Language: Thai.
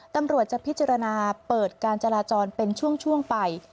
ตำรวจจะพิจารณาเปิดการจราจรเป็นช่วงไป